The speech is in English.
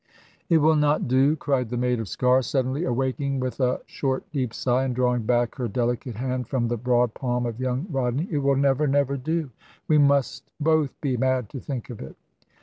"It will not do," cried the maid of Sker, suddenly awaking with a short deep sigh, and drawing back her delicate hand from the broad palm of young Rodney: "it will never, never do. We must both be mad to think of it."